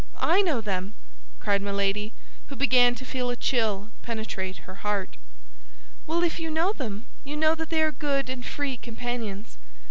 I know them," cried Milady, who began to feel a chill penetrate her heart. "Well, if you know them, you know that they are good and free companions.